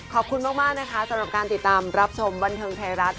ขอบคุณมากนะคะสำหรับการติดตามรับชมบันเทิงไทยรัฐ